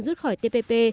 rút khỏi tpp